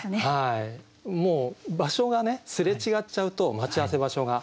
もう場所がねすれ違っちゃうと待ち合わせ場所が。